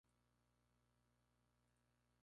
Autor, John Calvin, De Noyon.